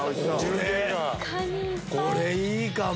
これいいかも！